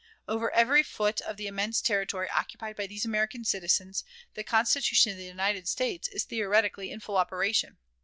Over every foot of the immense territory occupied by these American citizens, the Constitution of the United States is theoretically in full operation.